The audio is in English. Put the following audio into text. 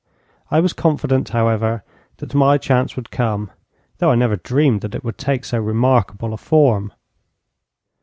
I was confident, however, that my chance would come, though I never dreamed that it would take so remarkable a form.